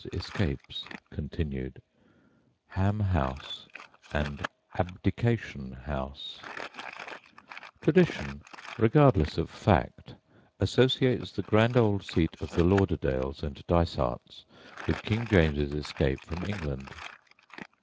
'S ESCAPES (continued), HAM HOUSE, AND "ABDICATION HOUSE" Tradition, regardless of fact, associates the grand old seat of the Lauderdales and Dysarts with King James's escape from England.